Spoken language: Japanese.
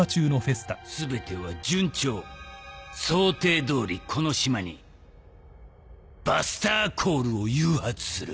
全ては順調。想定どおりこの島にバスターコールを誘発する。